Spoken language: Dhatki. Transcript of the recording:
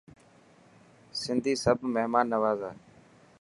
سنڌي سب مهمان نواز هي.